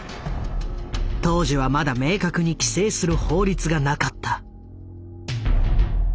当時はまだ明確に規制する法律がなかった。